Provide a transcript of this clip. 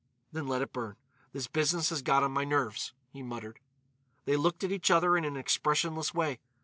"Then let it burn. This business has got on my nerves," he muttered. They looked at each other in an expressionless way.